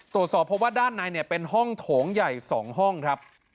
ตรวจสอบเพราะว่าด้านในเป็นห้องโถงใหญ่๒ห้องครับ